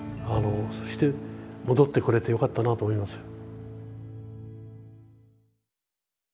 そして戻ってこれてよかったなと思いますよ。